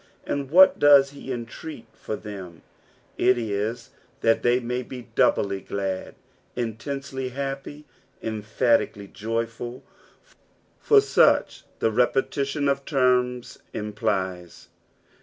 And what does he entreat for them ? it is that they ma^ be doubt; ^lud, intensely happy, emphatically joyful, for such the repetition of teima implies.